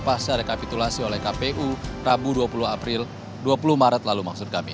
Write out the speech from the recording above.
pasca rekapitulasi oleh kpu rabu dua puluh april dua puluh maret lalu maksud kami